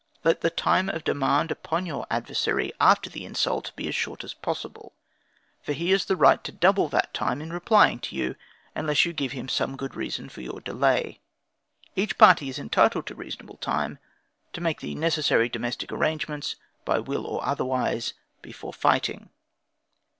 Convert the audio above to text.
Let the time of demand upon your adversary after the insult, be as short as possible, for he has the right to double that time in replying to you, unless you give him some good reason for your delay. Each party is entitled to reasonable time, to make the necessary domestic arrangements, by will or otherwise, before fighting.